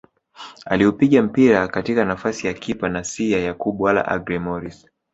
Aliupiga mpira katika nafasi ya kipa na si ya Yakub wala Agrey Moris